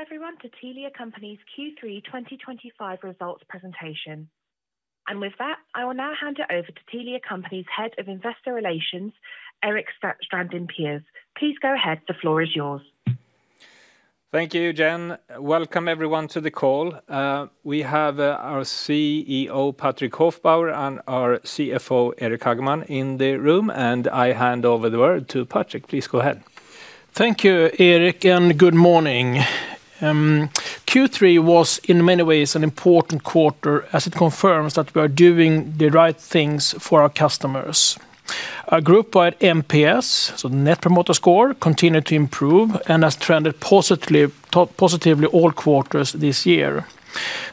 Welcome everyone to Telia Company's Q3 2025 results presentation. With that, I will now hand it over to Telia Company's Head of Investor Relations, Erik Strandin Pers. Please go ahead. The floor is yours. Thank you, Jen. Welcome everyone to the call. We have our CEO Patrik Hofbauer and our CFO Eric Hageman in the room, and I hand over the word to Patrik. Please go ahead. Thank you, Eric, and good morning. Q3 was in many ways an important quarter as it confirms that we are doing the right things for our customers group wide NPS. The net promoter score continued to improve and has trended positively all quarters this year.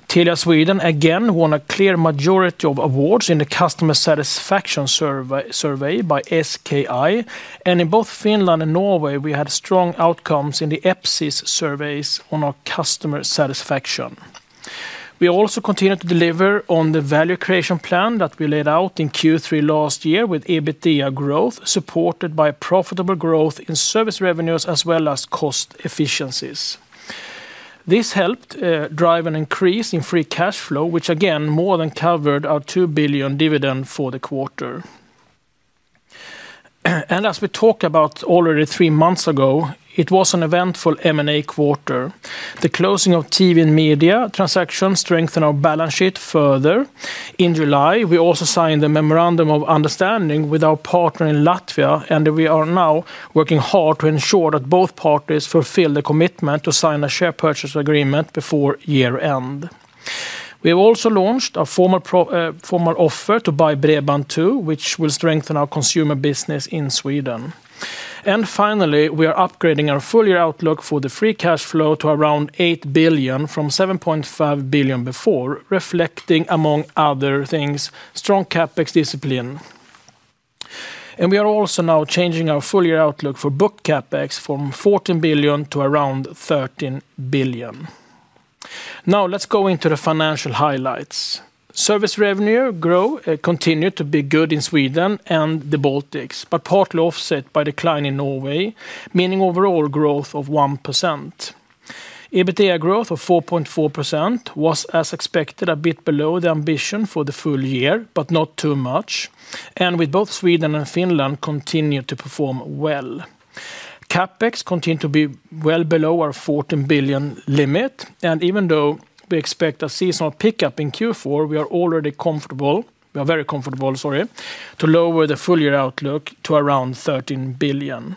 Telia Sweden again won a clear majority of awards in the customer satisfaction survey by SKI, and in both Finland and Norway we had strong outcomes in the episodic PEPSIS surveys on our customer satisfaction. We also continue to deliver on the value creation plan that we laid out in Q3 last year, with EBITDA growth supported by profitable growth in service revenues as well as cost efficiencies. This helped drive an increase in free cash flow, which again more than covered our 2 billion dividend for the quarter. As we talked about already three months ago, it was an eventful M&A quarter. The closing of TV and Media business transactions strengthened our balance sheet further. In July, we also signed the Memorandum of Understanding with our partner in Latvia, and we are now working hard to ensure that both parties fulfill the commitment to sign a share purchase agreement before year end. We have also launched a formal offer to buy Bredband2, which will strengthen our consumer business in Sweden. Finally, we are upgrading our full year outlook for the free cash flow to around 8 billion from 7.5 billion before, reflecting, among other things, strong capex discipline. We are also now changing our full year outlook for book capex from 14 billion to around 13 billion. Now let's go into the financial highlights. Service revenue growth continued to be good in Sweden and the Baltics, but partly offset by decline in Norway, meaning overall growth of 1%. EBITDA growth of 4.4% was, as expected, a bit below the ambition for the full year, but not too much. With both Sweden and Finland continuing to perform well, capex continued to be well below our 14 billion limit. Even though we expect a seasonal pickup in Q4, we are already comfortable. We are very comfortable to lower the full year outlook to around 13 billion.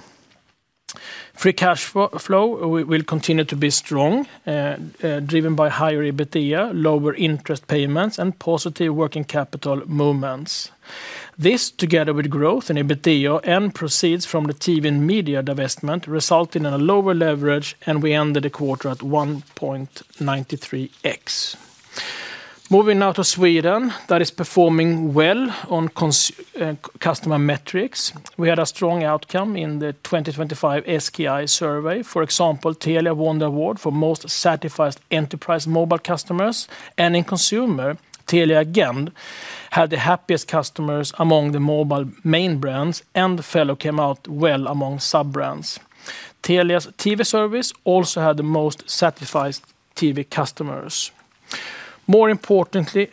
Free cash flow will continue to be strong, driven by higher EBITDA, lower interest payments, and positive working capital movements. This, together with growth in EBITDA and proceeds from the TV and Media business divestment, resulted in a lower leverage, and we ended the quarter at 1.93x. Moving now to Sweden that is performing well on customer metrics, we had a strong outcome in the 2025 SKI survey. For example, Telia won the award for most satisfied enterprise mobile customers and in consumer Telia had the happiest customers among the mobile main brands and Fello came out well among sub brands. Telia's TV service also had the most satisfied TV customers. More importantly,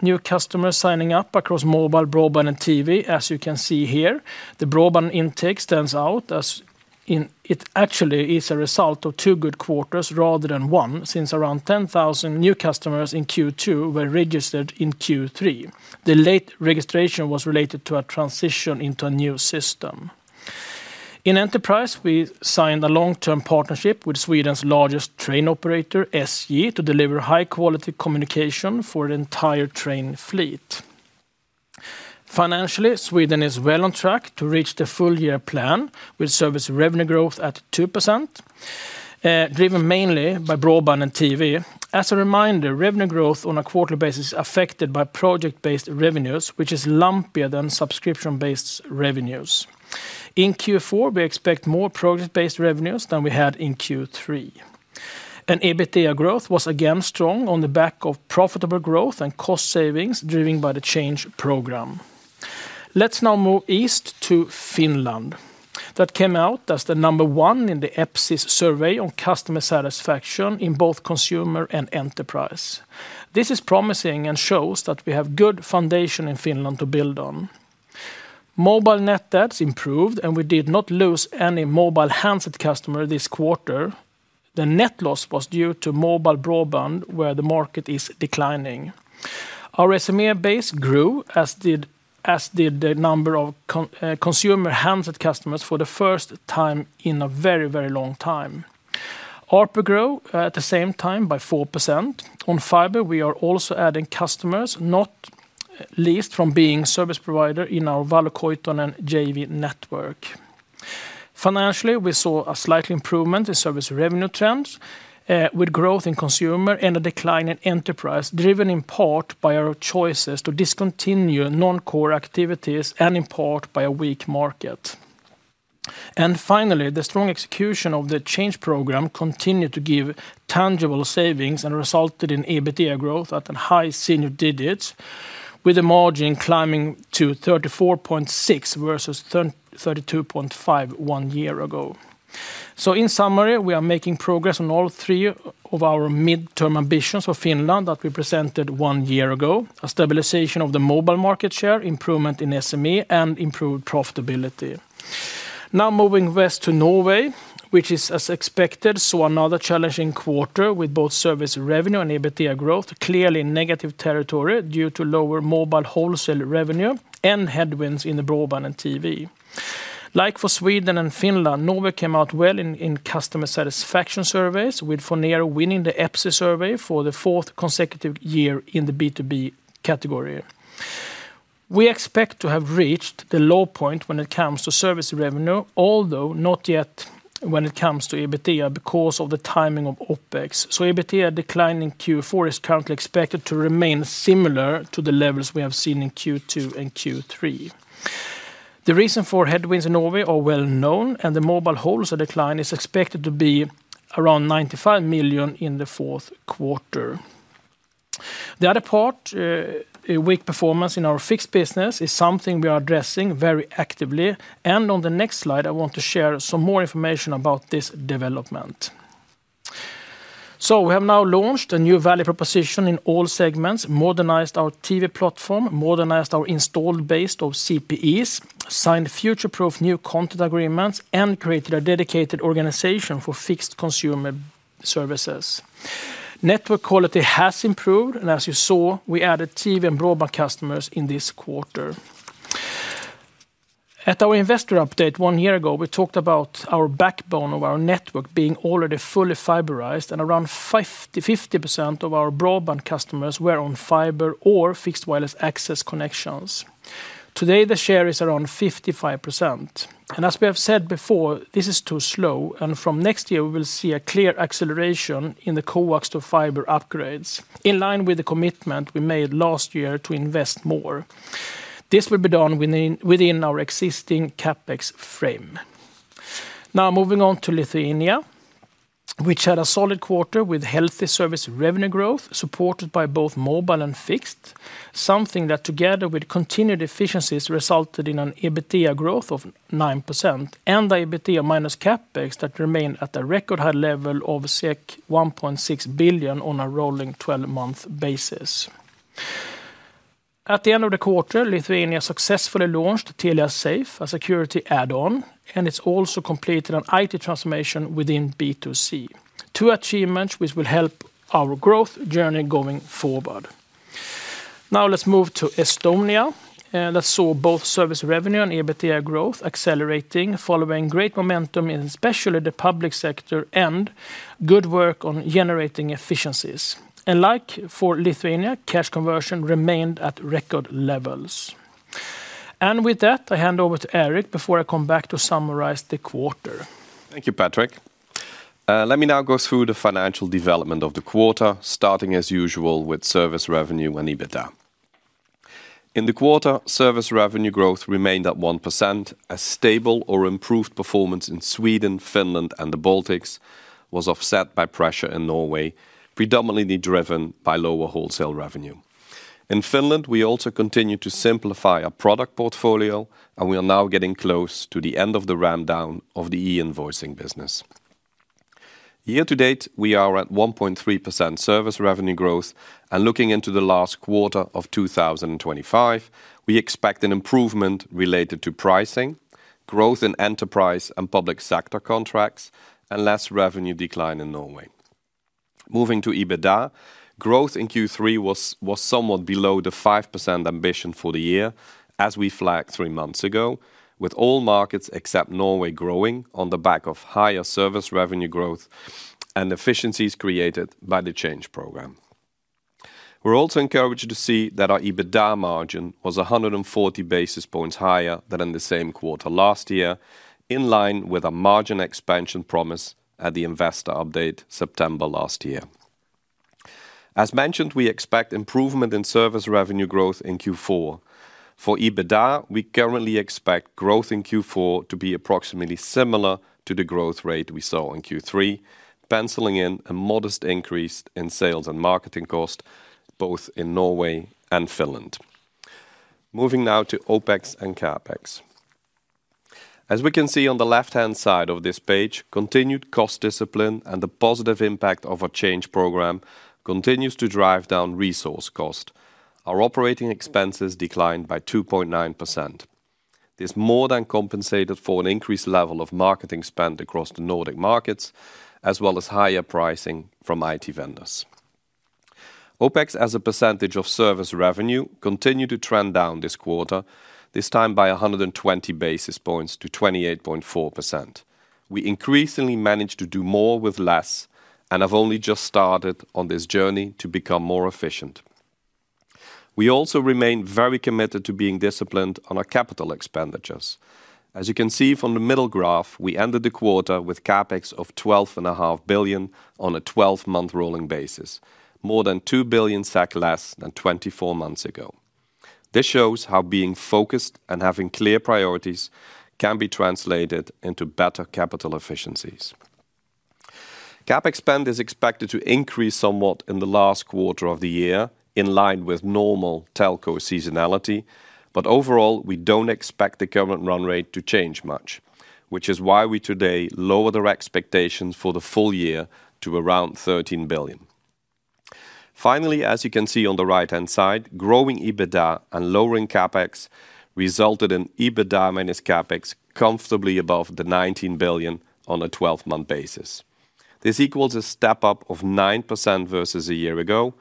new customers signing up across mobile, broadband, and TV. As you can see here, the broadband intake stands out as it actually is a result of two good quarters rather than one. Since around 10,000 new customers in Q2 were registered in Q3, the late registration was related to a transition into a new system. In enterprise, we signed a long-term partnership with Sweden's largest train operator SJ to deliver high-quality communication for the entire train fleet. Financially, Sweden is well on track to reach the full year plan with service revenue growth at 2% driven mainly by broadband and TV. As a reminder, revenue growth on a quarterly basis is affected by project-based revenues which is lumpier than subscription-based revenues. In Q4 we expect more project-based revenues than we had in Q3 and EBITDA growth was again strong on the back of profitable growth and cost savings driven by the change program. Let's now move east to Finland. That came out as the number one in the EPSIS survey on customer satisfaction in both consumer and enterprise. This is promising and shows that we have good foundation in Finland to build on mobile. Net debts improved and we did not lose any mobile handset customer this quarter. The net loss was due to mobile broadband where the market is declining. Our SME base grew as did the number of consumer handset customers for the first time in a very, very long time. ARPU grew at the same time by 4% on fiber. We are also adding customers not least from being service provider in our Valukoyton and JV network. Financially, we saw a slight improvement in service revenue trends with growth in consumer and a decline in enterprise driven in part by our choices to discontinue non-core activities and in part by a weak market. Finally, the strong execution of the change program continued to give tangible savings and resulted in EBITDA growth at high single digits with the margin climbing to 34.6% versus 32.5% one year ago. In summary, we are making progress on all three of our mid-term ambitions for Finland that we presented one year ago: a stabilization of the mobile market share, improvement in SME, and improved profitability. Now moving west to Norway, which, as expected, saw another challenging quarter with both service revenue and EBITDA growth clearly in negative territory due to lower mobile wholesale revenue and headwinds in the broadband and TV. Like for Sweden and Finland, Norway came out well in customer satisfaction surveys, with Fourneiro winning the EPSO survey for the fourth consecutive year in the B2B category. We expect to have reached the low point when it comes to service revenue, although not yet when it comes to EBITDA because of the timing of OpEx. EBITDA decline in Q4 is currently expected to remain similar to the levels we have seen in Q2 and Q3. The reason for headwinds in Norway are well known, and the mobile wholesale decline is expected to be around 95 million in the fourth quarter. The other part, weak performance in our fixed business, is something we are addressing very actively, and on the next slide I want to share some more information about this development. We have now launched a new value proposition in all segments, modernized our TV platform, modernized our installed base of CPEs, signed future-proof new content agreements, and created a dedicated organization for fixed consumer services. Network quality has improved, and as you saw, we added TV and broadband customers in this quarter. At our investor update one year ago, we talked about the backbone of our network being already fully fiberized, and around 50% of our broadband customers were on fiber or fixed wireless access connections. Today, the share is around 55%, and as we have said before, this is too slow, and from next year we will see a clear acceleration in the coax to fiber upgrades in line with the commitment we made last year to invest more. This will be done within our existing CapEx frame. Now moving on to Lithuania, which had a solid quarter with healthy service revenue growth supported by both mobile and fixed. Something that, together with continued efficiencies, resulted in an EBITDA growth of 9% and EBITDA minus CapEx that remain at a record high level of 1.6 billion on a rolling 12-month basis. At the end of the quarter Lithuania successfully launched Telia Safe, a security add-on, and it's also completed an IT transformation within B2C achievements which will help our growth journey going forward. Now let's move to Estonia that saw both service revenue and EBITDA growth accelerating following great momentum, especially the public sector and good work on generating efficiencies. Like for Lithuania, cash conversion remained at record levels and with that I hand over to Eric before I come back to summarize the quarter. Thank you Patrik. Let me now go through the financial development of the quarter, starting as usual with service revenue and EBITDA. In the quarter, service revenue growth remained at 1% as stable or improved performance in Sweden, Finland, and the Baltics was offset by pressure in Norway, predominantly driven by lower wholesale revenue in Finland. We also continue to simplify our product portfolio, and we are now getting close to the end of the ramp down of the e-invoicing business. Year to date, we are at 1.3% service revenue growth, and looking into the last quarter of 2025, we expect an improvement related to pricing growth in enterprise and public sector contracts and less revenue decline in Norway. Moving to EBITDA, growth in Q3 was somewhat below the 5% ambition for the year as we flagged three months ago, with all markets except Norway growing on the back of higher service revenue growth and efficiencies created by the change program. We are also encouraged to see that our EBITDA margin was 140 basis points higher than in the same quarter last year, in line with our margin expansion promise at the Investor Update September last year. As mentioned, we expect improvement in service revenue growth in Q4. For EBITDA, we currently expect growth in Q4 to be approximately similar to the growth rate we saw in Q3, penciling in a modest increase in sales and marketing cost both in Norway and Finland. Moving now to OPEX and capex. As we can see on the left-hand side of this page, continued cost discipline and the positive impact of our change program continues to drive down resource cost. Our operating expenses declined by 2.9%. This more than compensated for an increased level of marketing spend across the Nordic markets as well as higher pricing from IT vendors. OPEX as a percentage of service revenue continued to trend down this quarter, this time by 120 basis points to 28.4%. We increasingly managed to do more with less and have only just started on this journey to become more efficient. We also remain very committed to being disciplined on our capital expenditures. As you can see from the middle graph, we ended the quarter with capex of 12.5 billion on a 12-month rolling basis, more than 2 billion SEK less than 24 months ago. This shows how being focused and having clear priorities can be translated into better capital efficiencies. Capex spend is expected to increase somewhat in the last quarter of the year in line with normal telco seasonality, but overall we don't expect the current run rate to change much, which is why we today lowered our expectations for the full year to around 13 billion. Finally, as you can see on the right-hand side, growing EBITDA and lowering capex resulted in EBITDA minus capex comfortably above the 19 billion on a 12-month basis. This equals a step up of 9% versus a year ago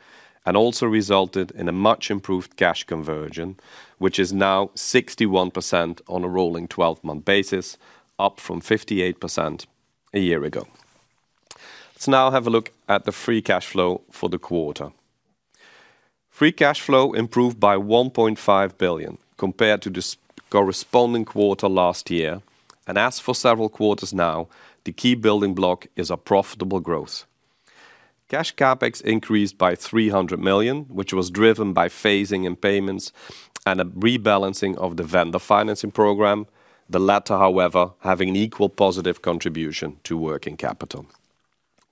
and also resulted in a much improved cash conversion, which is now 61% on a rolling 12-month basis, up from 58% a year ago. Let's now have a look at the free cash flow for the quarter. Free cash flow improved by 1.5 billion compared to the corresponding quarter last year, and as for several quarters now, the key building block is our profitable growth. Cash capex increased by 300 million, which was driven by phasing in payments and a rebalancing of the vendor fund financing program, the latter however having an equal positive contribution to working capital.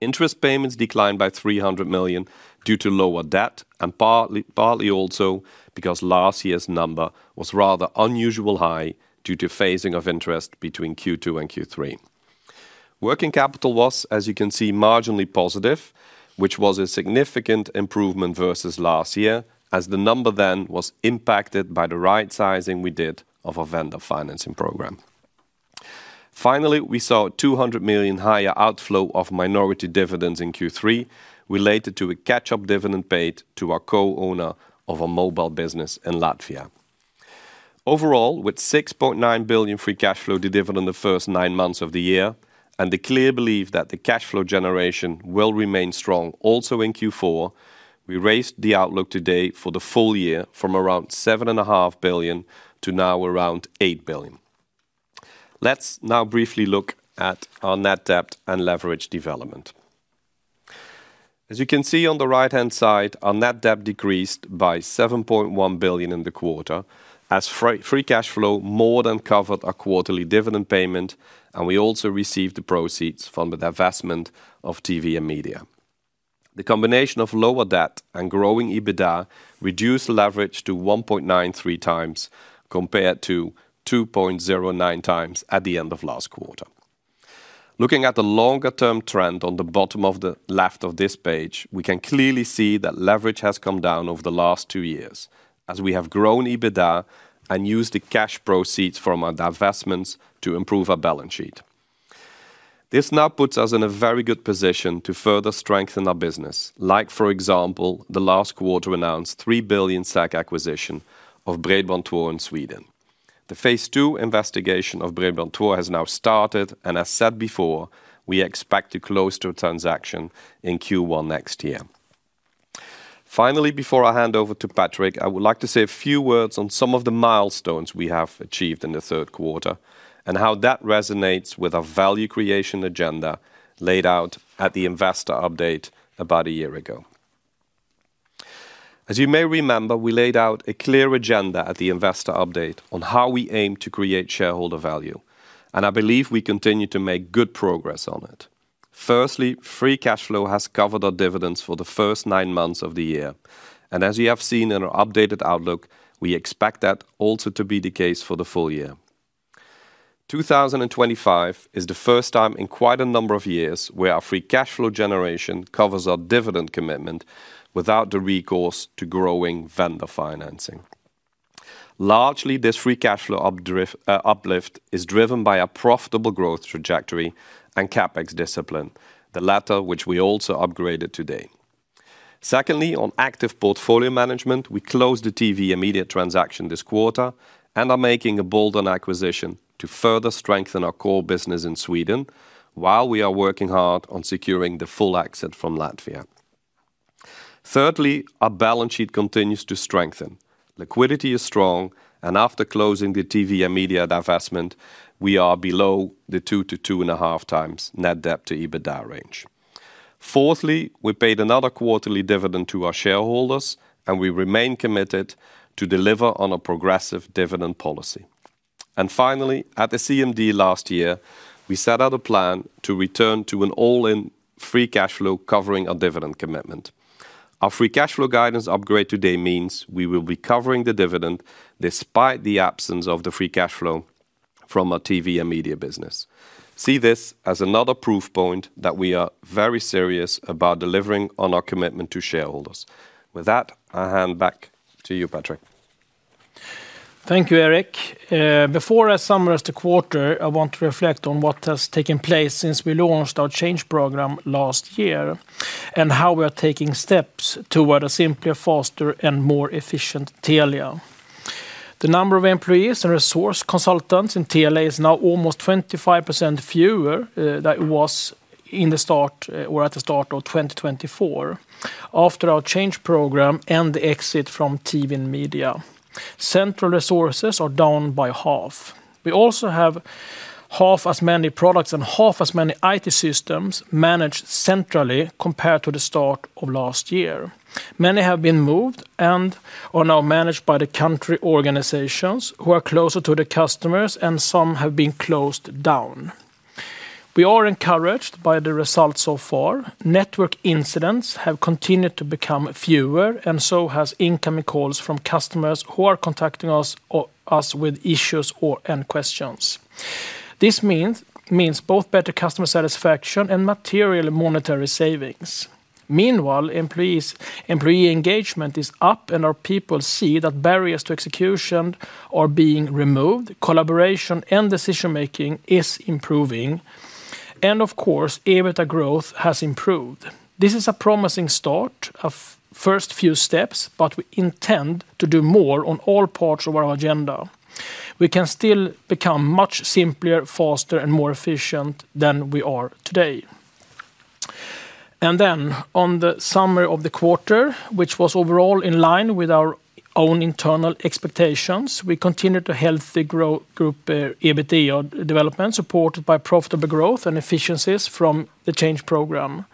Interest payments declined by 300 million due to lower debt and partly also because last year's number was rather unusually high due to phasing of interest. Between Q2 and Q3, working capital was, as you can see, marginally positive, which was a significant improvement versus last year as the number then was impacted by the rightsizing we did of our vendor financing program. Finally, we saw 200 million higher outflow of minority dividends in Q3 related to a catch-up dividend paid to our co-owner of a mobile business in Latvia. Overall, with 6.9 billion free cash flow delivered in the first nine months of the year and the clear belief that the cash flow generation will remain strong also in Q4, we raised the outlook today for the full year from around 7.5 billion to now around 8 billion. Let's now briefly look at our net debt and leverage development. As you can see on the right-hand side, our net debt decreased by 7.1 billion in the quarter as free cash flow more than covered our quarterly dividend payment and we also received the proceeds from the divestment of TV and Media business. The combination of lower debt and growing EBITDA reduced leverage to 1.93x compared to 2.09x at the end of last quarter. Looking at the longer term trend on the bottom of the left of this page, we can clearly see that leverage has come down over the last two years as we have grown EBITDA and used the cash proceeds from our divestments to improve our balance sheet. This now puts us in a very good position to further strengthen our business, like for example the last quarter announced 3 billion acquisition of Bredband2 in Sweden. The phase two investigation of Bredband2 has now started, and as said before, we expect to close the transaction in Q1 next year. Finally, before I hand over to Patrik, I would like to say a few words on some of the milestones we have achieved in the third quarter and how that resonates with our value creation agenda laid out at the Investor Update about a year ago. As you may remember, we laid out a clear agenda at the Investor Update on how we aim to create shareholder value, and I believe we continue to make good progress on it. Firstly, free cash flow has covered our dividends for the first nine months of the year, and as you have seen in our updated outlook, we expect that also to be the case for the full year. 2025 is the first time in quite a number of years where our free cash flow generation covers our dividend commitment without the recourse to growing vendor financing. Largely, this free cash flow uplift is driven by a profitable growth trajectory and capex discipline, the latter which we also upgraded today. Secondly, on active portfolio management, we closed the TV and Media business transaction this quarter and are making a bolt-on acquisition to further strengthen our core business in Sweden while we are working hard on securing the full exit from Latvia. Thirdly, our balance sheet continues to strengthen, liquidity is strong, and after closing the TV and Media business divestment, we are below the 2 to 2.5x net debt to EBITDA range. Fourthly, we paid another quarterly dividend to our shareholders, and we remain committed to deliver on a progressive dividend policy. Finally, at the CMD last year, we set out a plan to return to an all-in free cash flow covering our dividend commitment. Our free cash flow guidance upgrade today means we will be covering the dividend despite the absence of the free cash flow from our TV and Media business. See this as another proof point that we are very serious about delivering on our commitment to shareholders. With that, I hand back to you, Patrik. Thank you, Eric. Before I summarize the quarter, I want to reflect on what has taken place since we launched our change program last year and how we are taking steps toward a simpler, faster, and more efficient Telia. The number of employees and resource consultants in Telia is now almost 25% fewer than it was at the start of 2024 after our change program and the exit from the TV and Media business. Central resources are down by half. We also have half as many products and half as many IT systems managed centrally compared to the start of last year. Many have been moved and are now managed by the country organizations who are closer to the customers, and some have been closed down. We are encouraged by the results so far. Network incidents have continued to become fewer, and so has incoming calls from customers who are contacting us with issues or end questions. This means both better customer satisfaction and material monetary savings. Meanwhile, employee engagement is up, and our people see that barriers to execution are being removed. Collaboration and decision making is improving, and of course EBITDA growth has improved. This is a promising start, a first few steps, but we intend to do more on all parts of our agenda. We can still become much simpler, faster, and more efficient than we are today. On the summary of the quarter, which was overall in line with our own internal expectations, we continued to see healthy group EBITDA development supported by profitable growth and efficiencies from the change program.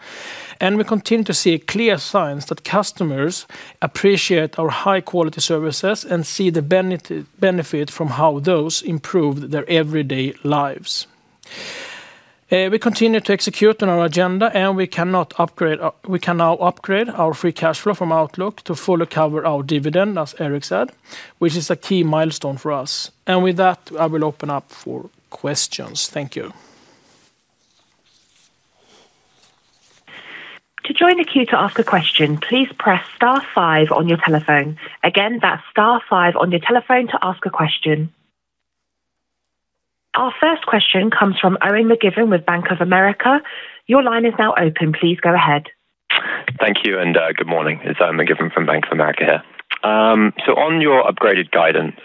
We continue to see clear signs that customers appreciate our high quality services and see the benefit from how those improved their everyday lives. We continue to execute on our agenda, and we can now upgrade our free cash flow from outlook to fully cover our dividend, as Eric said, which is a key milestone for us. With that, I will open up for questions. Thank you. To join the queue to ask a question, please press Star five on your telephone. Again, that's Star five on your telephone to ask a question. Our first question comes from Owen McGiveron with Bank of America. Your line is now open. Please go ahead. Thank you and good morning, it's Owen McGiveron from Bank of America here. On your upgraded guidance,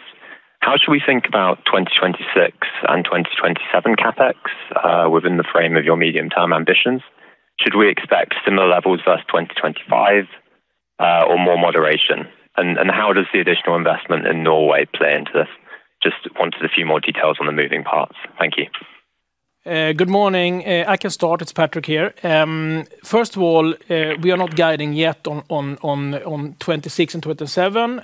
how should we think about 2026 and 2027 capex within the frame of your medium term ambitions? Should we expect similar levels versus 2025 or more moderation? How does the additional investment in Norway play into this? Just wanted a few more details on the moving parts. Thank you. Good morning. I can start. It's Patrik here. First of all, we are not guiding yet on 2026 and 2027.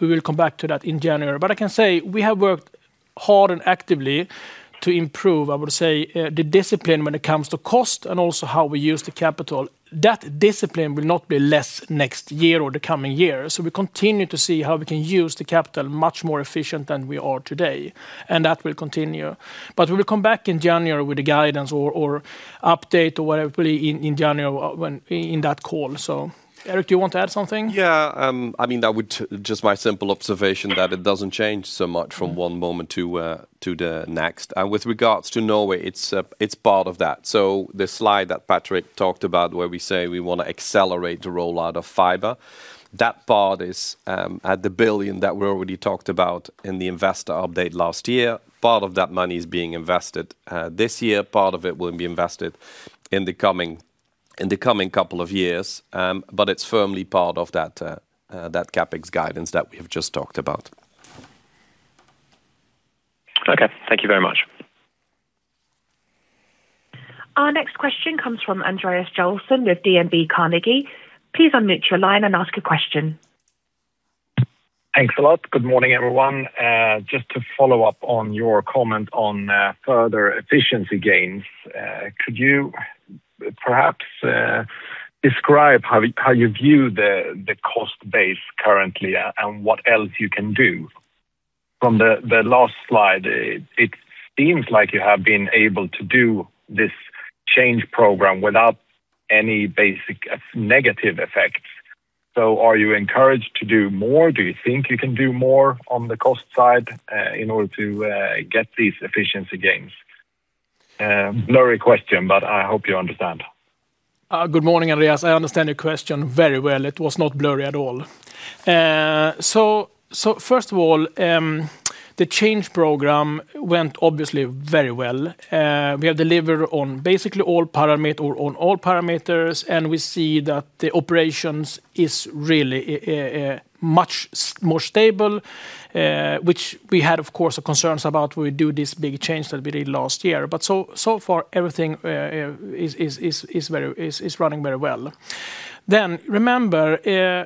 We will come back to that in January. I can say we have worked hard and actively to improve, I would say, the discipline when it comes to cost and also how we use the capital. That discipline will not be less next year or the coming year. We continue to see how we can use the capital much more efficiently than we are today. That will continue. We will come back in January with the guidance or update or whatever in January in that call. Eric, do you want to add something? Yeah, I mean that would just be my simple observation that it doesn't change so much from one moment to the next with regards to Norway. It's part of that. The slide that Patrik talked about where we say we want to accelerate the rollout of fiber, that part is at the 1 billion that we already talked about in the investor update last year. Part of that money is being invested this year. Part of it will be invested in the coming couple of years. It's firmly part of that capex guidance that we have just talked about. Okay, thank you very much. Our next question comes from Andreas Joelsson of DNB Carnegie. Please unmute your line and ask a question. Thanks a lot. Good morning everyone. Just to follow up on your comment on further efficiency gains, could you perhaps describe how you view the cost base currently and what else you can do from the last slide? It seems like you have been able to do this change program without any basic negative effects. Are you encouraged to do more? Do you think you can do more on the cost side in order to get these efficiency gains? Blurry question, but I hope you understand. Good morning, Andreas. I understand your question very well. It was not blurry at all. First of all, the change program went obviously very well. We have delivered on basically all parameters, and we see that the operations are really much more stable, which we had, of course, concerns about when we do this big change that we did last year. So far, everything is running very well. Remember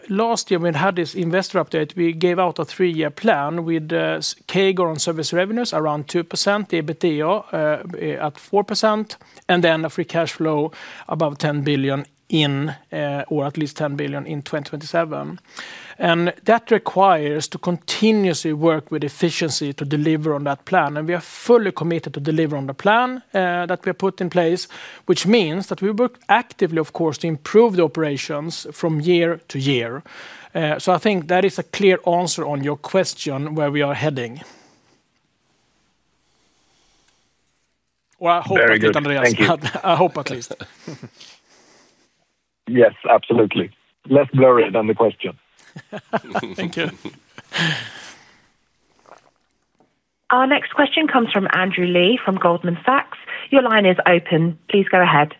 last year when we had this investor update, we gave out a three-year plan with CAGR on service revenues around 2%, EBITDA at 4.4%, and a free cash flow above 10 billion or at least 10 billion in 2027, and that requires us to continuously work with efficiency to deliver on that plan. We are fully committed to deliver on the plan that we have put in place, which means that we work actively, of course, to improve the operations from year to year. I think that is a clear answer on your question where we are heading. I hope, I hope at least. Yes, absolutely. Less blurry than the question. Thank you. Our next question comes from Andrew Lee from Goldman Sachs. Your line is open. Please go ahead.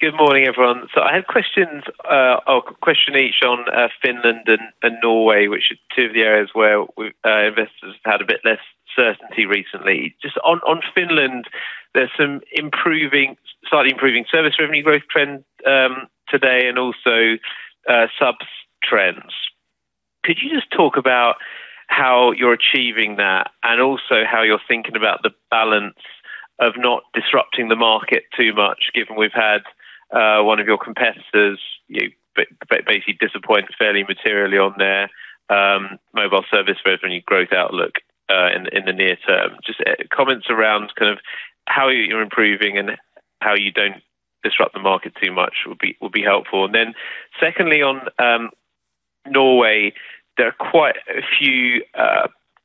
Good morning everyone. I had questions, one each on Finland and Norway, which are two of the areas where investors have had a bit less certainty recently. Just on Finland, there's some slightly improving service revenue growth trend today and also subs trends. Could you just talk about how you're achieving that and also how you're thinking about the balance of not disrupting the market too much given we've had one of your competitors basically disappoint fairly materially on their mobile service revenue growth outlook in the near term? Just comments around kind of how you're improving and how you don't disrupt the market too much will be helpful. Secondly, on Norway, there are quite a few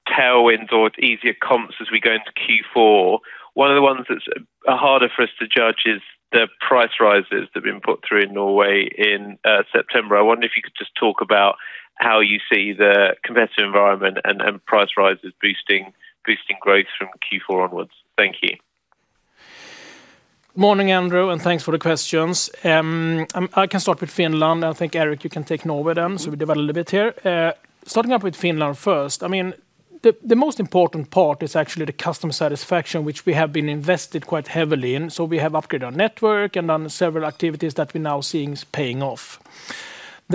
tailwinds or easier comps as we go into Q4. One of the ones that's harder for us to judge is the price rises that have been put through in Norway in September. I wonder if you could just talk about how you see the competitive environment and price rises boosting growth from Q4 onwards. Thank you. Morning Andrew and thanks for the questions. I can start with Finland, I think Eric, you can take Norway then. We develop a little bit here, starting up with Finland first. I mean the most important part is actually the customer satisfaction, which we have been invested quite heavily in. We have upgraded our network and on several activities that we're now seeing paying off.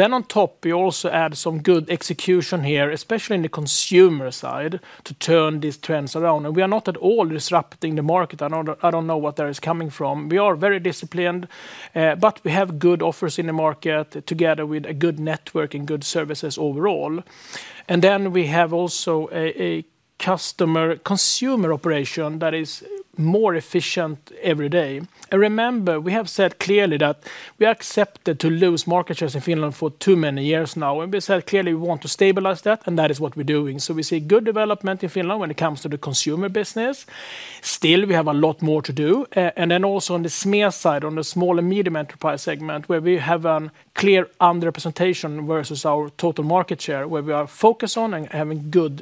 On top, we also add some good execution here, especially in the consumer side, to turn these trends around. We are not at all disrupting the market. I don't know where that is coming from. We are very disciplined, but we have good offers in the market together with a good network and good services overall. We also have a customer consumer operation that is more efficient every day. Remember we have said clearly that we are accepting to lose market shares in Finland for too many years now. We said clearly we want to stabilize that, and that is what we're doing. We see good development in Finland when it comes to the consumer business. Still, we have a lot more to do. Also, on the SME side, on the small and medium enterprise segment, where we have a clear underrepresentation versus our total market share, we are focused on and having good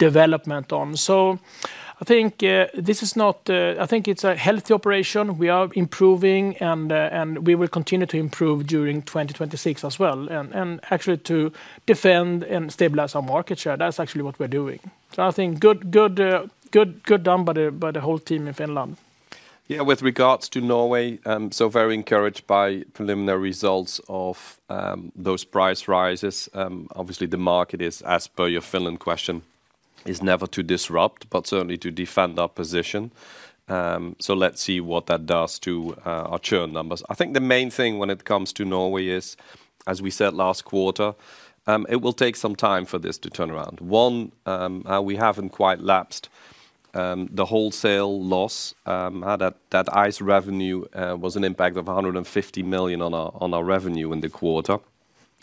development on. I think this is not, I think it's a healthy operation. We are improving, and we will continue to improve during 2020 and actually to defend and stabilize our market share. That's actually what we're doing. I think good done by the whole team in Finland. Yeah. With regards to Norway, very encouraged by preliminary results of those price rises. Obviously, the market is, as per your Finland question, never to disrupt but certainly to defend our position. Let's see what that does to our churn numbers. I think the main thing when it comes to Norway is, as we said last quarter, it will take some time for this to turn around. One, we haven't quite lapsed the wholesale loss that ICE revenue was an impact of 150 million on our revenue in the quarter.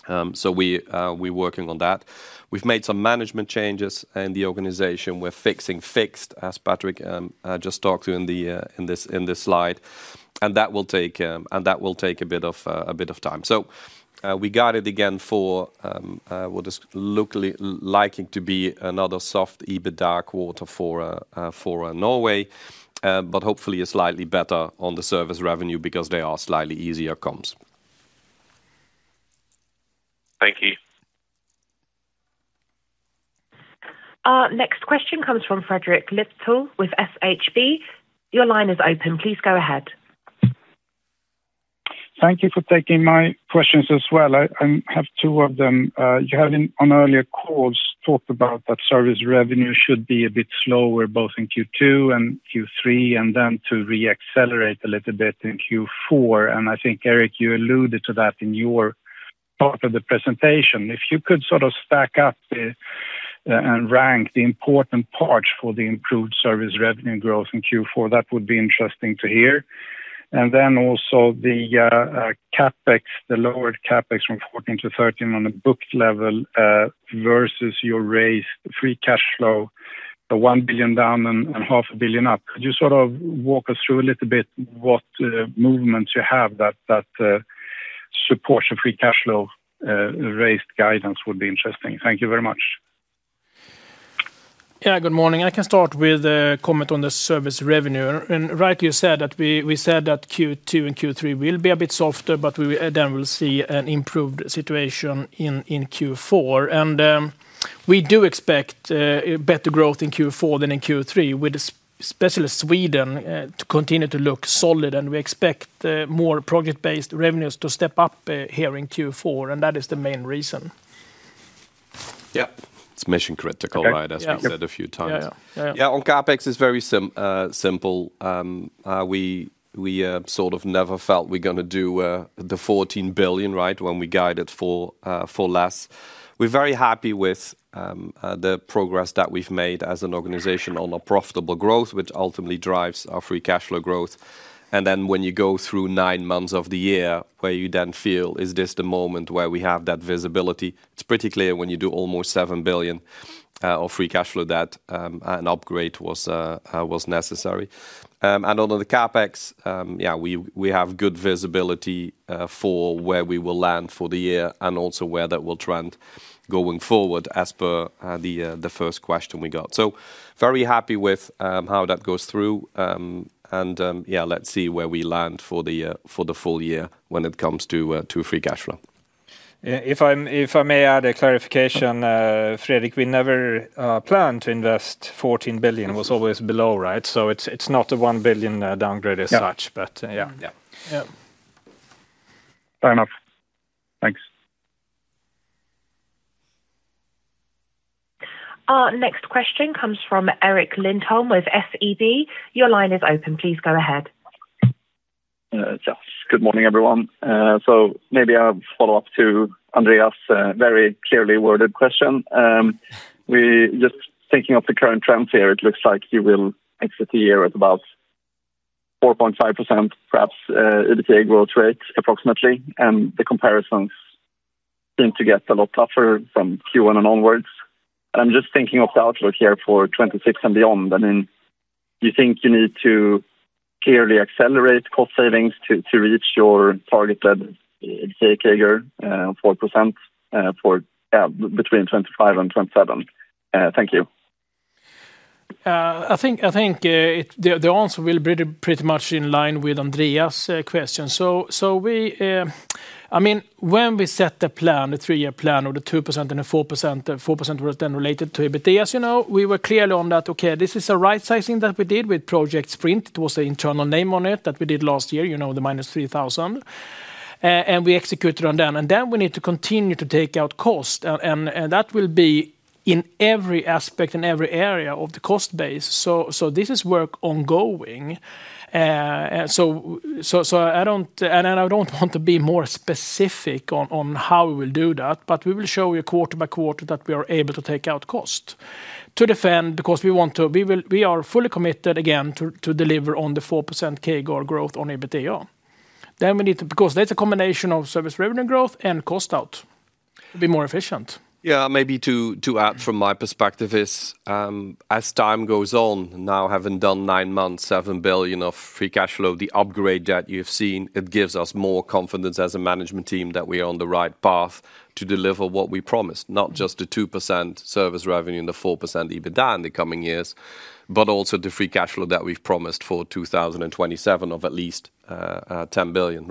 We're working on that. We've made some management changes in the organization. We're fixing fixed as Patrik Hofbauer just talked to in this slide, and that will take a bit of time. We guided again for what is likely to be another soft EBITDA quarter for Norway, but hopefully slightly better on the service revenue because they are slightly easier comps. Thank you. Next question comes from Fredrik Lithell with SHB. Your line is open. Please go ahead. Thank you for taking my questions as well. I have two of them. You have on earlier calls talked about that service revenue should be a bit slower both in Q2 and Q3, and to re-accelerate a little bit in Q4. I think, Eric, you alluded to that in your part of the presentation. If you could sort of stack up and rank the important part for the improved service revenue growth in Q4, that would be interesting to hear. Also, the capex, the lowered capex from 14 billion to 13 billion on a booked level versus your raised free cash flow, 1 billion down and 500 million up. Could you walk us through a little bit what movements you have that support your free cash flow raised guidance? That would be interesting. Thank you very much. Yeah, good morning. I can start with a comment on the service revenue, and rightly we said that Q2 and Q3 will be a bit softer, but we then will see an improved situation in Q4. We do expect better growth in Q4 than in Q3, with especially Sweden to continue to look solid, and we expect more project-based revenues to step up here in Q4, and that is the main reason. Yeah, it's mission critical right as we said a few times. Yeah. Yeah. Yeah. On capex, it is very simple. We sort of never felt we're going to do the 14 billion right when we guided for less. We're very happy with the progress that we've made as an organization on profitable growth, which ultimately drives our free cash flow growth. When you go through nine months of the year where you then feel is this the moment where we have that visibility, it's pretty clear when you do almost 7 billion of free cash flow that an upgrade was necessary. Under the capex, we have good visibility for where we will land for the year and also where that will trend going forward. As per the first question, we got so very happy with how that goes through and yeah, let's see where we land for the full year when it comes to free cash flow. If I may add a clarification, Frederic, we never planned to invest 14 billion. It was always below, right? It's not a 1 billion downgrade as such, but yeah. Fair enough. Thanks. Our next question comes from Erik Lindholm with SEB. Your line is open, please go ahead. Good morning everyone. Maybe I'll follow up to Andrea's very clearly worded question. We're just thinking of the current trends here. It looks like you will exit the year at about 4.5% EBITDA growth rate, approximately, and the comparisons seem to get a lot tougher from Q1 and onwards. I'm just thinking of the outlook here for 2026 and beyond. I mean, you think you need to clearly accelerate cost savings to reach your target level, say CAGR 4% for between 2025 and 2027. Thank you. I think the answer will be pretty much in line with Andrea's question. When we set the plan, the three year plan or the 2% and the 4% return related to EBITDA. As you know, we were clearly on that. This is a right sizing that we did with Project Sprint. It was the internal name on it that we did last year, the -3,000 and we execute it on that. We need to continue to take out cost and that will be in every aspect, in every area of the cost base. This is work ongoing and I don't want to be more specific on how we will do that, but we will show you quarter by quarter that we are able to take out cost to defend because we are fully committed again to deliver on the 4% CAGR growth on EBITDA. We need to because that's a combination of service revenue growth and cost out, be more efficient. Yeah, maybe to add from my perspective is as time goes on now, having done 9 months, 7 billion of free cash flow, the upgrade that you've seen gives us more confidence as a management team that we are on the right path to deliver what we promised. Not just the 2% service revenue and the 4% EBITDA in the coming years, but also the free cash flow that we've promised for 2027 of at least 10 billion.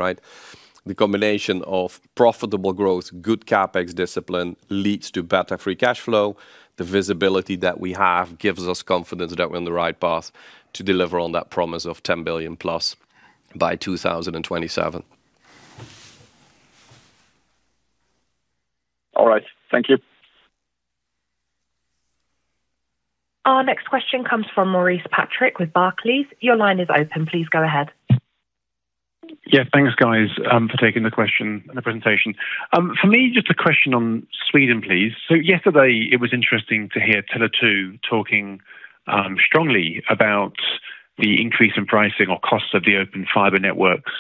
The combination of profitable growth, good capex discipline leads to better free cash flow. The visibility that we have gives us confidence that we're on the right path to deliver on that promise of 10 billion+ by 2027. All right, thank you. Our next question comes from Maurice Patrick with Barclays. Your line is open. Please go ahead. Yeah, thanks guys for taking the question and the presentation for me. Just a question on Sweden, please. Yesterday it was interesting to hear Tele2 talking strongly about the increase in pricing or cost of the open fiber networks,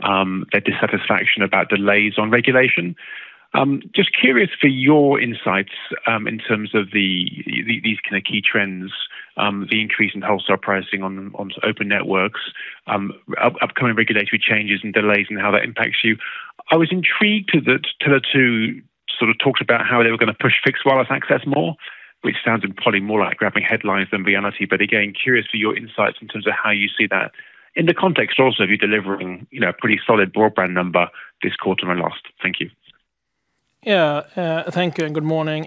their dissatisfaction about delays on regulation. Just curious for your insights in terms of these kind of key trends, the increase in wholesale pricing on open networks, upcoming regulatory changes and delays, and how that impacts you. I was intrigued that Tele2 sort of talked about how they were going to push fixed wireless access more, which sounded probably more like grabbing headlines than reality. Again, curious for your insights in terms of how you see that in the context. Also, you deliver a pretty solid broadband number this quarter and last. Thank you. Yeah, thank you and good morning.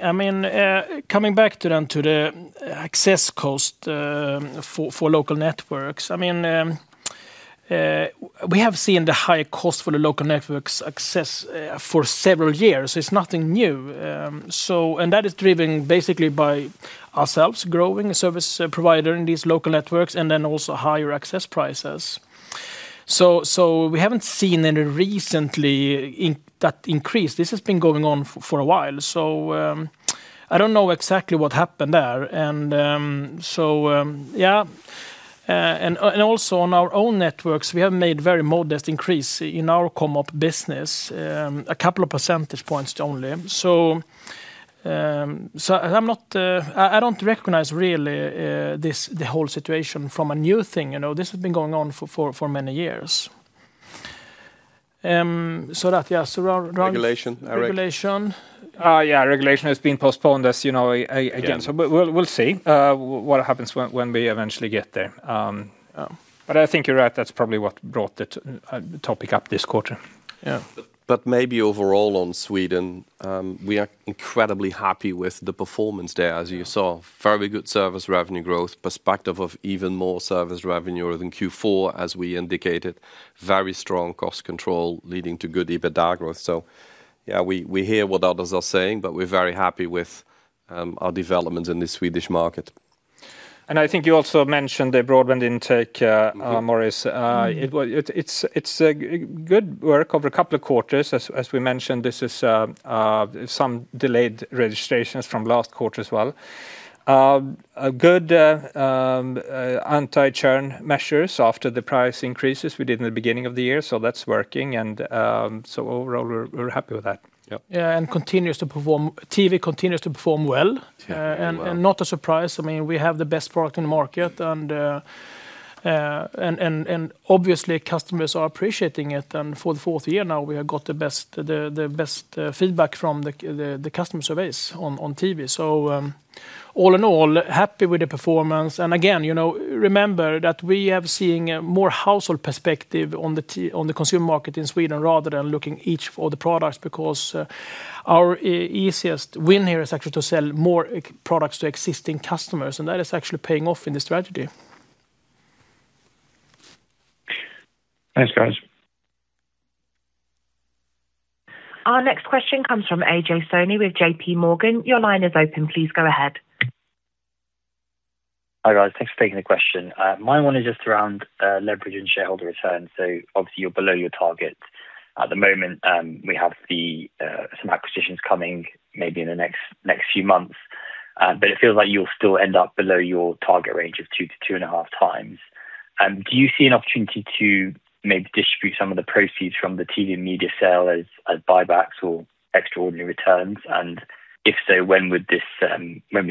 Coming back then to the access cost for local networks, we have seen the higher cost for the local network access for several years. It's nothing new, and that is driven basically by ourselves growing as a service provider in these local networks and then also higher access prices. We haven't seen any recent increase; this has been going on for a while, so I don't know exactly what happened there. Also, on our own networks we have made very modest increases in our COMOP business, a couple of percentage points only. I don't really recognize the whole situation as a new thing. This has been going on for many years. Regulation, regulation, yeah, regulation has been postponed as you know again. Yeah. We'll see what happens when we eventually get there. I think you're right, that's probably what brought the topic up this quarter. Yeah, maybe overall on Sweden we are incredibly happy with the performance there as you saw, very good service revenue growth perspective of even more service revenue than Q4 as we indicated, very strong cost control leading to good EBITDA growth. We hear what others are saying, but we're very happy with our developments in the Swedish market. I think you also mentioned the broadband intake, Maurice. It's good work over a couple of quarters as we mentioned. This is some delayed registrations from last quarter as well. Good anti-churn measures after the price increases we did in the beginning of the year. That's working, and overall we're happy with that. TV continues to perform well and not a surprise. I mean we have the best product in the market, and obviously customers are appreciating it. For the fourth year now, we have got the best feedback from the customer service on TV. All in all, happy with the performance. Remember that we have seen more household perspective on the consumer market in Sweden rather than looking each for the products, because our easiest win here is actually to sell more products to existing customers, and that is actually paying off in this strategy. Thanks, guys. Our next question comes from Ajay Soni with JPMorgan. Your line is open. Please go ahead. Hi, guys. Thanks for taking the question. My one is just around leverage and shareholder return. Obviously you're below your target at the moment. We have some acquisitions coming maybe in the next few months, but it feels like you'll still end up below your target range of 2x-2.5x. Do you see an opportunity to maybe distribute some of the proceeds from the TV and Media business sale as buybacks or extraordinary returns? If so, when would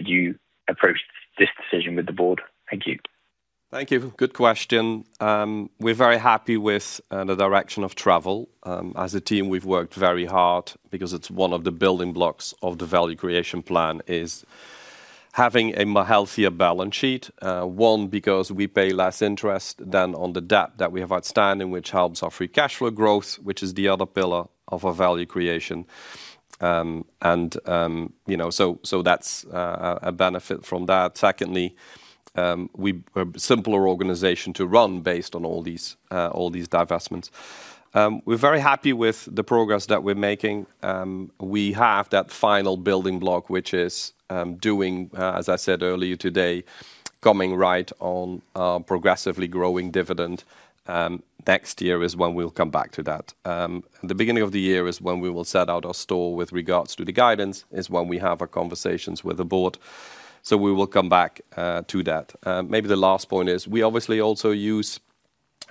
you approach this decision with the board? Thank you. Thank you. Good question. We're very happy with the direction of travel. As a team, we've worked very hard because it's one of the building blocks of the value creation plan is having a healthier balance sheet. One, because we pay less interest than on the debt that we have outstanding, which helps our free cash flow growth, which is the other pillar of our value creation. That's a benefit from that. Secondly, we are a simpler organization to run based on all these divestments. We're very happy with the progress that we're making. We have that final building block which is doing, as I said earlier today, coming right on progressively growing dividend. Next year is when we'll come back to that. The beginning of the year is when we will set out our store with regards to the guidance is when we have our conversations with the board. We will come back to that. Maybe the last point is we obviously also use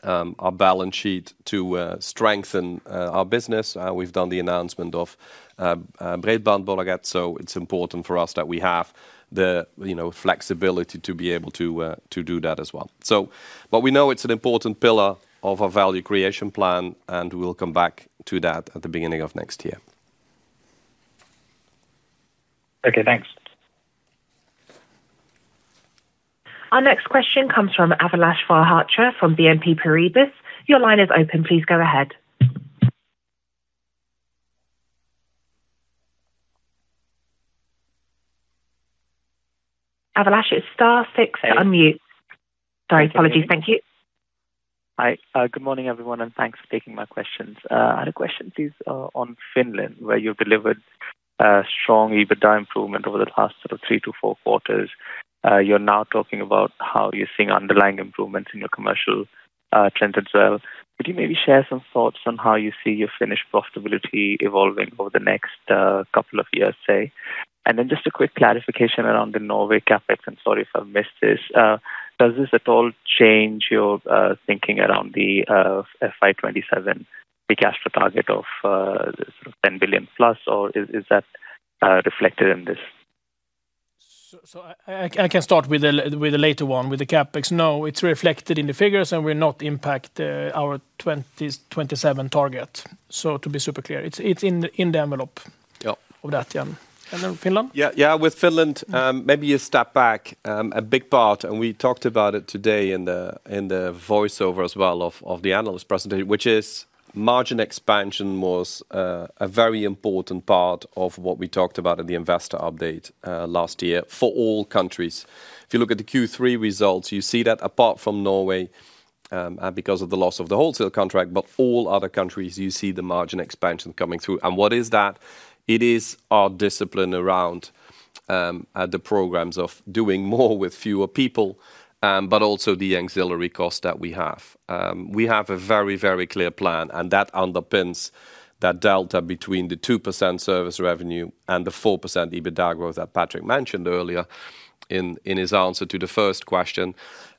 our balance sheet to strengthen our business. We've done the announcement of Bredband2, so it's important for us that we have the flexibility to be able to do that as well. We know it's an important pillar of our value creation plan and we'll come back to that at the beginning of next year. Okay, thanks. Our next question comes from Abhilash Mahapatra from BNP Paribas. Your line is open. Please go ahead. Abhilash, star six to unmute. Sorry, apologies. Thank you. Hi, good morning everyone and thanks for taking my questions. I had a question, please. On Finland, where you've delivered strong EBITDA improvement over the last three to four quarters, you're now talking about how you're seeing underlying improvements in your commercial trends as well. Could you maybe share some thoughts on how you see your Finnish profitability evolving over the next couple of years, say? Just a quick clarification around the Norway capex. Sorry if I missed this. Does this at all change your thinking around the FY 2027 free cash flow target of 10 billion+, or is that reflected in this? I can start with a later one with the capex. No, it's reflected in the figures and will not impact our 2027 target. To be super clear, it's in the envelope of that. Then Finland. Yeah, with Finland maybe you step back a big part and we talked about it today in the voiceover as well of the analyst presentation, which is this margin expansion was a very important part of what we talked about at the investor update last year for all countries. If you look at the Q3 results, you see that apart from Norway because of the loss of the wholesale contract, all other countries you see the margin expansion coming through. What is that? It is our discipline around the programs of doing more with fewer people, but also the ancillary cost that we have. We have a very, very clear plan and that underpins that delta between the 2% service revenue and the 4% EBITDA growth that Patrik mentioned earlier in his answer to the first question.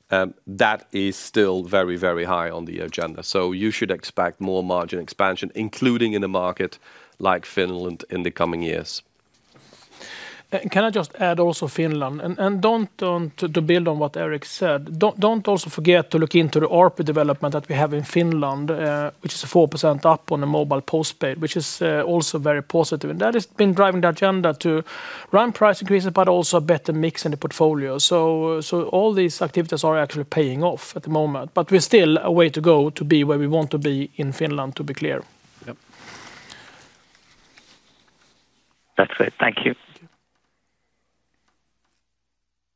That is still very, very high on the agenda. You should expect more margin expansion, including in a market like Finland in the coming years. Can I just add also Finland. To build on what said, don't also forget to look into the ARPU development that we have in, which is a 4% up on the mobile postpaid, which is also very positive. That has been driving the agenda to run price increases, but also better mix in the portfolio. All these activities are actually paying off at the moment, but we're still a way to go to be where we want to be in Finland, to be clear. That's great, thank you.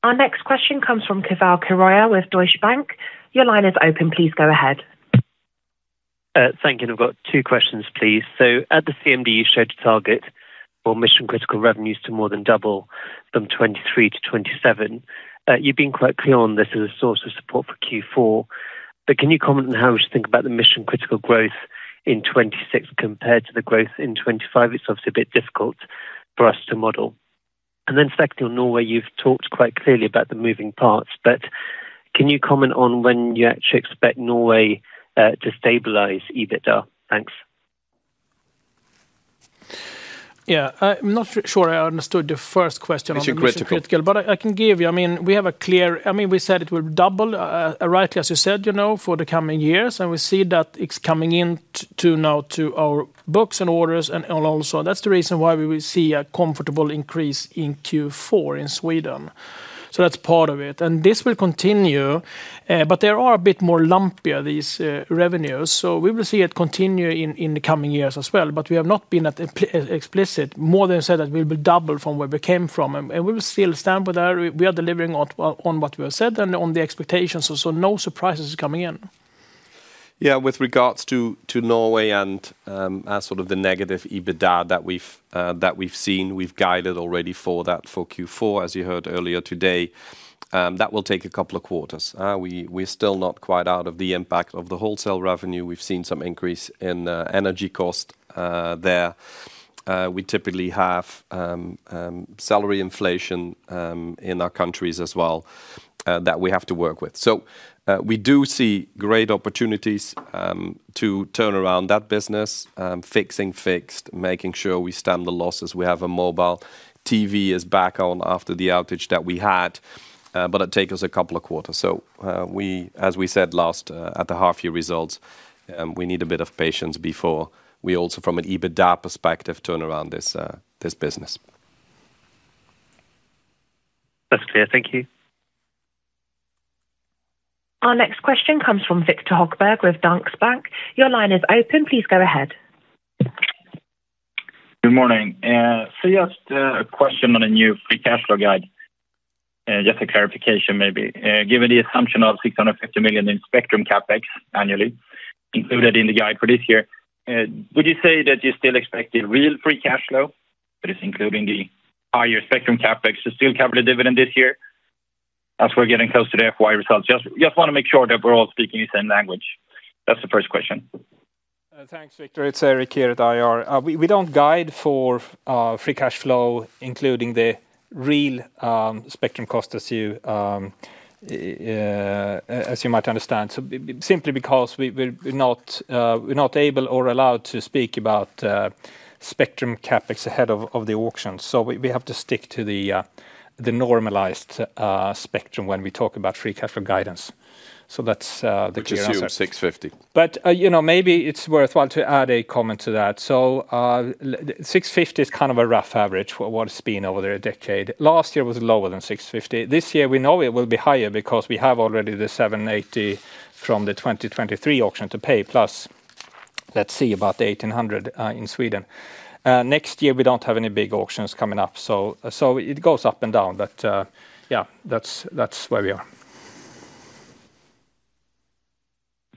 Our next question comes from Keval Khiroya with Deutsche Bank. Your line is open. Please go ahead. Thank you. I've got two questions, please. At the CMD, you showed a target for mission critical revenues to more than double from 2023 to 2027. You've been quite clear on this as a source of support for Q4, but can you comment on how we should think about the mission critical growth in 2026 compared to the growth in 2025? It's obviously a bit difficult for us to model. Secondly, on Norway, you've talked quite clearly about the moving parts, but can you comment on when you actually expect Norway to stabilize EBITDA? Thanks. I'm not sure I understood the first question, but I can give you, I mean, we have a clear, I mean, we said it will double, rightly as you said, you know, for the coming years, and we see that it's coming in now to our books and orders, and also that's the reason why we will see a comfortable increase in Q4 in Sweden. That's part of it, and this will continue, but these revenues are a bit more lumpy. We will see it continue in the coming years as well. We have not been explicit more than said that we'll be double from where we came from, and we will still stand with our we are delivering on what we have said and on the expectations. No surprises coming in. Yeah. With regards to Norway and sort of the negative EBITDA that we've seen, we've guided already for that for Q4 as you heard earlier today. That will take a couple of quarters. We're still not quite out of the impact of the wholesale revenue. We've seen some increase in energy cost there. We typically have salary inflation in our countries as well that we have to work with. We do see great opportunities to turn around that business, fixing fixed, making sure we stem the losses. We have a mobile TV is back on after the outage that we had, but it will take us a couple of quarters. As we said last at the half year results, we need a bit of patience before we also from an EBITDA perspective turn around this business. That's clear. Thank you. Our next question comes from Viktor Högberg with Danske Bank. Your line is open. Please go ahead. Good morning. You asked a question on a new free cash flow guide. Just a clarification, maybe, given the assumption of 650 million in spectrum capex annually included in the guide for this year, would you say that you still expect the real free cash flow, that is including the higher spectrum capex, to still cover the dividend this year as we're getting close to the FY results? Just want to make sure that we're all speaking the same language. That's the first question. Thanks Viktor. It's Eric. Here at IR we don't guide for free cash flow including the real spectrum cost, as you might understand, simply because we're not able or allowed to speak about spectrum capex ahead of the auction. We have to stick to the normalized spectrum when we talk about free cash flow guidance. That's the case. 650 million. Maybe it's worthwhile to add a comment to that. 650 million is kind of a rough average for what it's been over a decade. Last year was lower than 650 million. This year we know it will be higher because we have already the 780 million from the 2023 auction to pay. Plus, let's see, about 1.8 billion in Sweden next year. We don't have any big auctions coming up, so it goes up and down, but yeah, that's where we are.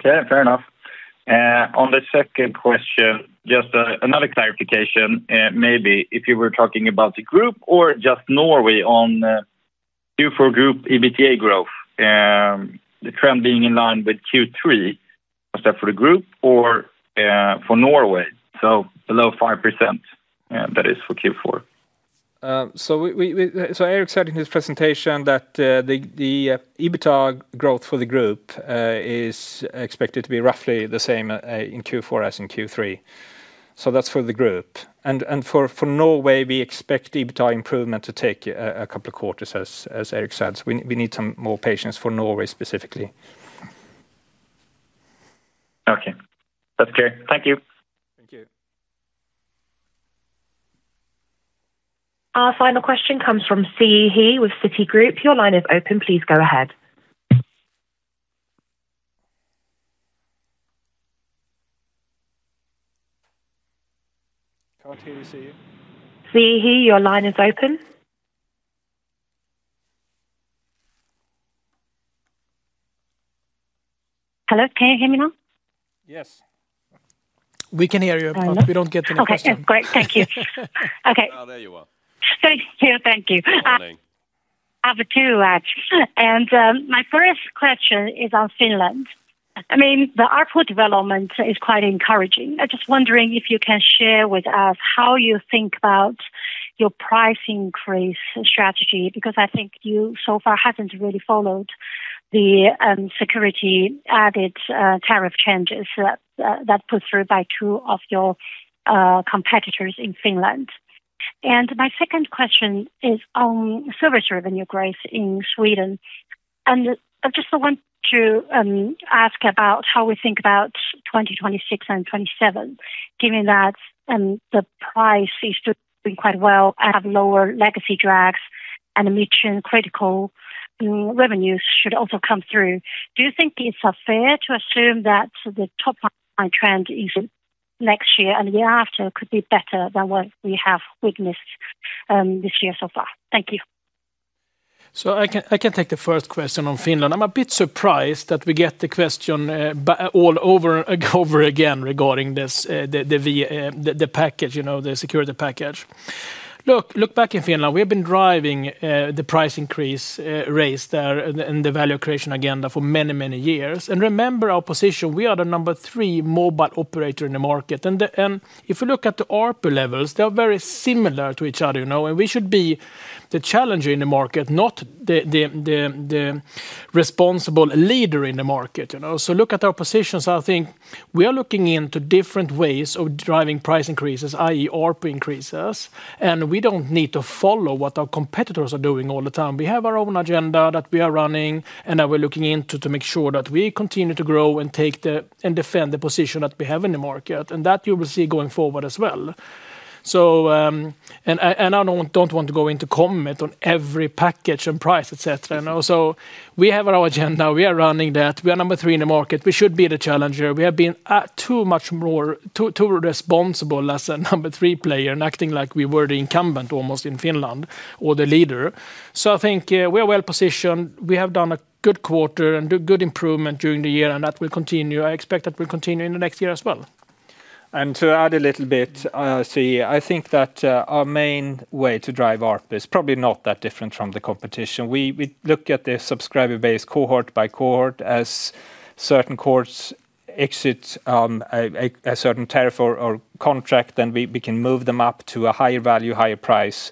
Okay, fair enough. On the second question, just another clarification. Maybe if you were talking about the group or just Norway on Q4 group, EBITDA growth, the trend being in line with Q3, was that for the group or for Norway? Below 5%, that is for Q4. Eric said in his presentation that the EBITDA growth for the group is expected to be roughly the same in Q4 as in Q3. That's for the group and for Norway. We expect EBITDA improvement to take a couple of quarters. As Eric said, we need some more patience for Norway specifically. Okay, that's great. Thank you. Thank you. Our final question comes from Siyi He with Citigroup. Your line is open. Please go ahead. Siyi He, your line is open. Hello, can you hear me now? Yes. We can hear you, but we don't get any questions. Okay, great, thank you. Okay. Now, there you are. Thank you. Thank you. Good morning. My first question is on Finland. I mean the ARPU development is quite encouraging. I'm just wondering if you can share with us how you think about your price increase strategy because I think you so far haven't really followed the security added tariff changes that were put through by two of your competitors in Finland. My second question is on service revenue growth in Sweden, and I just want to ask about how we think about 2026 and 2027 given that the price is quite well, have lower legacy drags, and the mid-term critical revenues should also come through. Do you think it's fair to assume that the top trend is next year and we have to could be better than what we have witnessed this year so far? Thank you. I can take the first question on Finland. I'm a bit surprised that we get the question all over again regarding this, the package, you know, the security package. Look, back in Finland we have been driving the price increase raised in the value creation agenda for many, many years. Remember our position. We are the number three mobile operator in the market and if you look at the ARPU levels they are very similar to each other and we should be the challenger in the market, not the responsible leader in the market. Look at our positions. I think we are looking into different ways of driving price increases, that is ARPU increases. We don't need to follow what our competitors are doing all the time. We have our own agenda that we are running and we are looking into to make sure that we continue to grow and take the, and defend the position that we have in the market and that you will see going forward as well. I don't want to go into comment on every package and price, etc., you know, so we have our agenda, we are running that, we are number three in the market. We should be the challenger. We have been too much more too responsible as a number three player and acting like we were the incumbent almost in Finland or the leader. I think we are well positioned. We have done good quarter and good improvement during the year and that will continue. I expect that will continue in the next year as well. To add a little bit, I think that our main way to drive ARPU is probably not that different from the competition. We look at the subscriber base, cohort by cohort. As certain cohorts exit a certain tariff or contract, then we can move them up to a higher value, higher price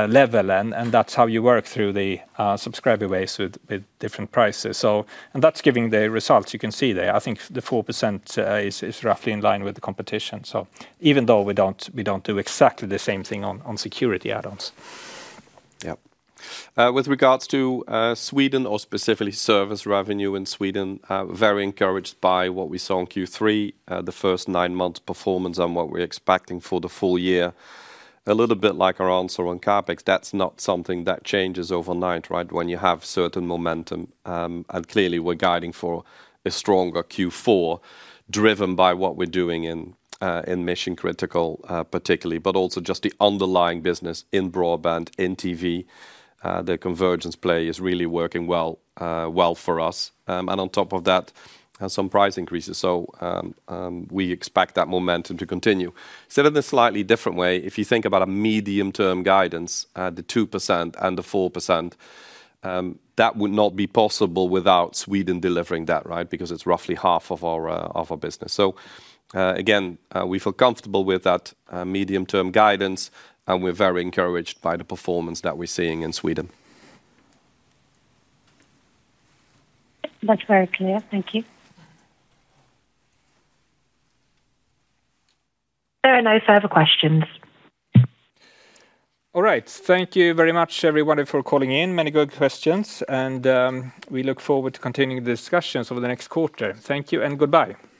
level, and that's how you work through the subscriber base with different prices, and that's giving the results you can see there. I think the 4% is roughly in line with the competition, even though we don't do exactly the same thing on security add-ons. Yeah. With regards to Sweden or specifically service revenue in Sweden, very encouraged by what we saw in Q3, the first nine months performance and what we're expecting for the full year. A little bit like our answer on capex, that's not something that changes overnight. Right. When you have certain momentum, and clearly we're guiding for a stronger Q4 driven by what we're doing in mission critical particularly, but also just the underlying business in broadband, in TV, the convergence play is really working well for us, and on top of that some price increases. We expect that momentum to continue. Said in a slightly different way, if you think about a medium term guidance, the 2% and the 4% that would not be possible without Sweden delivering that. Right. Because it's roughly half of our business. Again, we feel comfortable with that medium term guidance and we're very encouraged by the performance that we're seeing in Sweden. That's very clear. Thank you. There are no further questions. All right, thank you very much everybody for calling in. Many good questions, and we look forward to continuing the discussions over the next quarter. Thank you and goodbye. Thank you.